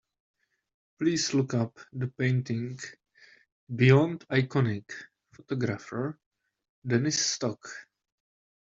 Please look up the painting Beyond Iconic: Photographer Dennis Stock.